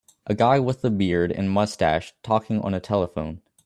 A guy with a beard and mustache talking on a telephone